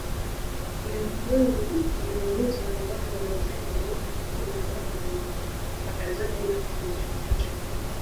Ulimwengu umeumizwa na wale wanaofanya maovu lakini na wale wanao watazama bila kufanya chochote